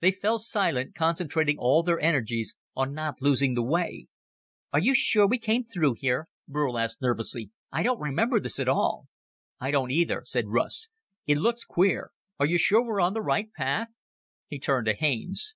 They fell silent, concentrating all their energies on not losing the way. "Are you sure we came through here?" Burl asked nervously. "I don't remember this at all." "I don't, either," said Russ. "It looks queer. Are you sure we're on the right path?" He turned to Haines.